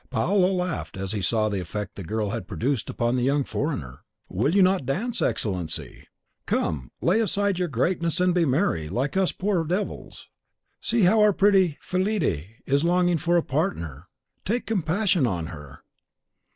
Paolo laughed as he saw the effect the girl had produced upon the young foreigner. "Will you not dance, Excellency? Come, lay aside your greatness, and be merry, like us poor devils. See how our pretty Fillide is longing for a partner. Take compassion on her."